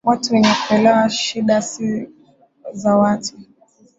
watu wenye kuelewa shida za watu